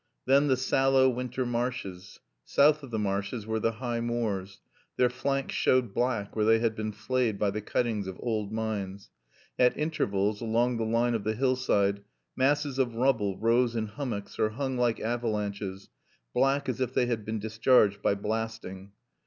Then the sallow winter marshes. South of the marshes were the high moors. Their flanks showed black where they have been flayed by the cuttings of old mines. At intervals, along the line of the hillside, masses of rubble rose in hummocks or hung like avalanches, black as if they had been discharged by blasting.